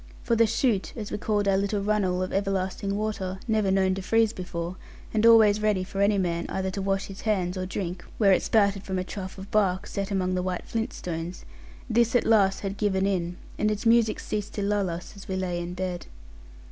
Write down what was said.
For the 'shoot,' as we called our little runnel of everlasting water, never known to freeze before, and always ready for any man either to wash his hands, or drink, where it spouted from a trough of bark, set among white flint stones; this at last had given in, and its music ceased to lull us, as we lay in bed.